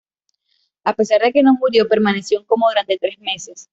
A pesar de que no murió, permaneció en coma durante tres meses.